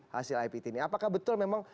hasil ipt ini apakah betul memang